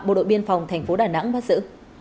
một đội biên phòng tp đà nẵng bắt giữ